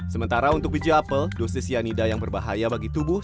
sementara untuk biji apel dosis cyanida yang berbahaya bagi tubuh